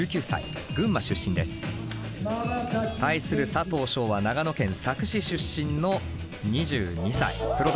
対する佐藤匠は長野県佐久市出身の２２歳プロダンサー。